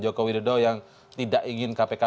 joko widodo yang tidak ingin kpk